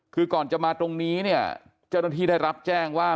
คือก่อนจะมาตรงนี้เนี่ยเจ้าหน้าที่ได้รับแจ้งว่า